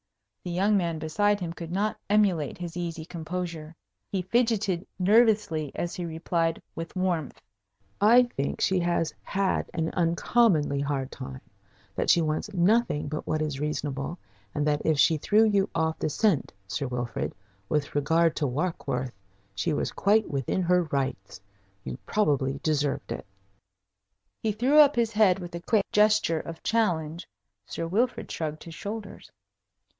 The young man beside him could not emulate his easy composure. He fidgeted nervously as he replied, with warmth: "I think she has had an uncommonly hard time, that she wants nothing but what is reasonable, and that if she threw you off the scent, Sir Wilfrid, with regard to Warkworth, she was quite within her rights. You probably deserved it." He threw up his head with a quick gesture of challenge. Sir Wilfrid shrugged his shoulders.